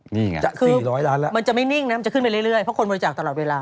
นี่ไงคือมันจะไม่นิ่งนะมันจะขึ้นไปเรื่อยเพราะคนบริจาคตลอดเวลา